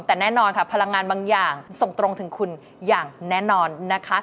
แต่แน่นอนค่ะพลังงานบางอย่างส่งตรงถึงคุณอย่างแน่นอนนะคะ